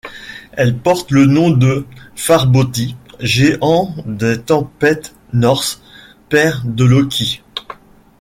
Elle porte le nom de Farbauti, géant des tempêtes norse, père de Loki.